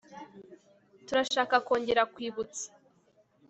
Turashaka kongera kukwibutsa